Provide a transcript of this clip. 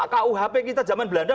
kuhp kita zaman belanda